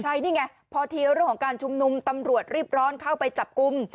ใช่นี่ไงพอทีเรื่องของการชุมนุมตำรวจรีบร้อนเข้าไปจับกลุ่ม